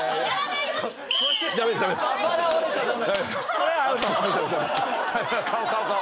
それアウト。